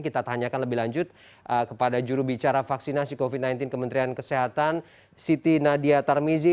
kita tanyakan lebih lanjut kepada jurubicara vaksinasi covid sembilan belas kementerian kesehatan siti nadia tarmizi